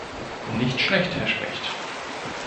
Nicht schlecht, Herr Specht!